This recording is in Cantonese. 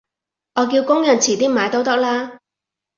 你叫工人遲啲買都得啦